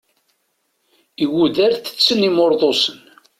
Igudar tetten imurḍusen.